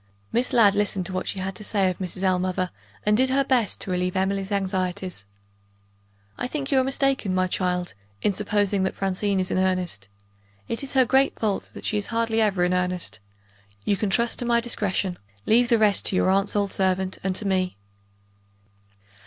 Miss Ladd listened to what she had to say of Mrs. Ellmother, and did her best to relieve Emily's anxieties. "I think you are mistaken, my child, in supposing that Francine is in earnest. It is her great fault that she is hardly ever in earnest. You can trust to my discretion; leave the rest to your aunt's old servant and to me."